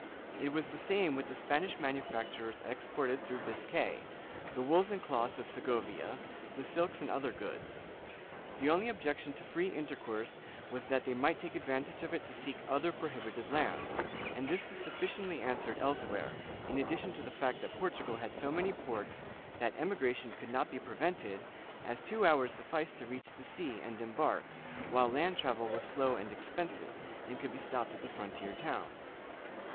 It was the same with the Spanish manufactures exported through Biscay — the wools and cloths of Segovia, the silks and other goods. The only objection to free intercourse was that they might take advantage of it to seek other prohibited lands, and this was sufficiently answered elsewhere, in addition to the fact that Portugal had so many ports that emigration could not be prevented, as two hours sufficed to reach the sea and embark, while land travel was slow and expensive, and could be stopped at the frontier towns.